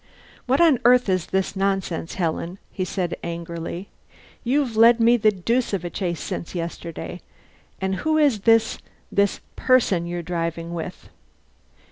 "What on earth is this nonsense, Helen?" he said angrily. "You've led me the deuce of a chase since yesterday. And who is this this person you're driving with?"